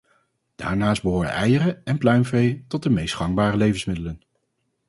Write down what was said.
Daarnaast behoren eieren en pluimvee tot de meest gangbare levensmiddelen.